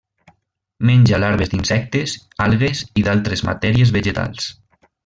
Menja larves d'insectes, algues i d'altres matèries vegetals.